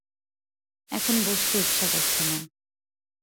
এখন বসতে ইচ্ছা করছে না।